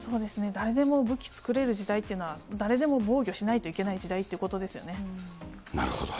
誰でも武器作れる時代というのは、誰でも防御しないといけない時代なるほど。